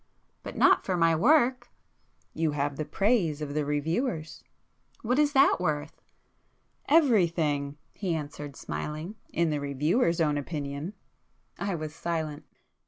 "But not for my work!" "You have the praise of the reviewers!" "What is that worth!" "Everything!" he answered smiling—"In the reviewers' own opinion!" I was silent.